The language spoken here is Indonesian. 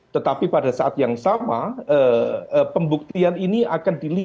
tetapi pada saat yang sama pembuktian ini akan dilihat